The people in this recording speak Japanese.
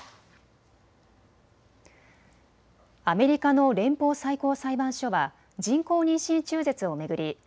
アメリカの連邦最高裁判所は人工妊娠中絶を巡り